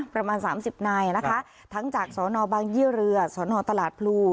ประมาณสามสิบนายนะคะทั้งจากสนบางยี่เรือสนตลาดพลู